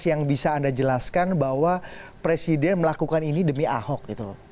yang bisa anda jelaskan bahwa presiden melakukan ini demi ahok gitu loh